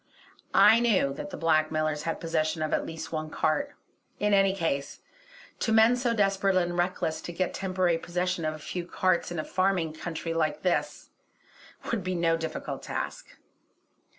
I knew that the blackmailers had possession of at least one cart; in any case, to men so desperate and reckless to get temporary possession of a few carts in a farming country like this would be no difficult task.